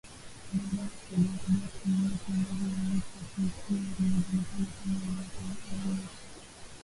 baada ya Saudi Arabia kumuua kiongozi maarufu wa kishia aliyejulikana kama Nimr al-Nimr